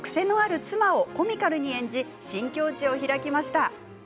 大富豪一家の癖のある妻をコミカルに演じ新境地を開きました。